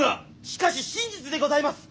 しかし真実でございます！